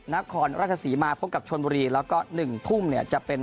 นครราชศรีมาพบกับชนบุรีแล้วก็๑ทุ่มเนี่ยจะเป็น